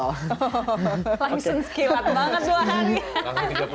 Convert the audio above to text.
license kilat banget dua hari